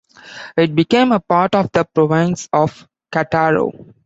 It became a part of the province of Cattaro.